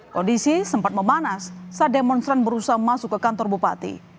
kondisi sempat memanas saat demonstran berusaha masuk ke kantor bupati